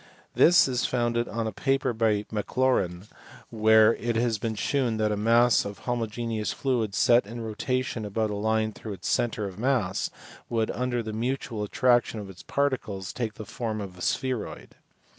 This is founded on a paper by Maclaurin, where CLAIRAUT. 381 it had been shewn that a mass of homogeneous fluid set in rotation about a line through its centre of mass would, under the mutual attraction of its particles, take the form of a spheroid.